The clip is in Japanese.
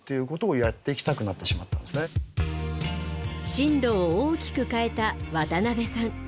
進路を大きく変えた渡辺さん。